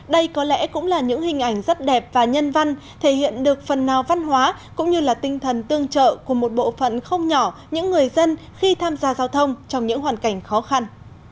đây có lẽ cũng là những hình ảnh rất đẹp và nhân văn thể hiện được phần nào văn hóa cũng như là tinh thần tương trợ của một bộ phận không nhỏ những người dân khi tham gia giao thông trong những hoàn cảnh khó khăn